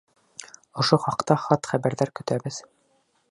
Ошо хаҡта хат-хәбәрҙәр көтәбеҙ.